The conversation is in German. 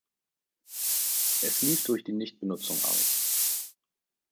Es lief durch die Nichtbenutzung aus.